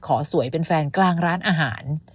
สวยเป็นแฟนกลางร้านอาหาร